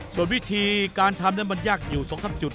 ส่วนวิธีการทำนั้นมันยากอยู่๒๓จุด